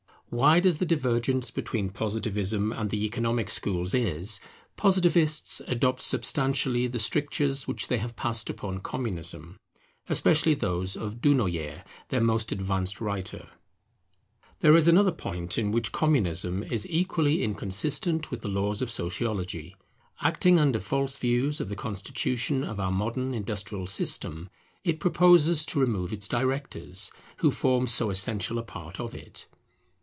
Wide as the divergence between Positivism and the Economic schools is, Positivists adopt substantially the strictures which they have passed upon Communism; especially those of Dunoyer, their most advanced writer. [Industry requires its captains as well as War] There is another point in which Communism is equally inconsistent with the laws of Sociology. Acting under false views of the constitution of our modern industrial system, it proposes to remove its directors, who form so essential a part of it.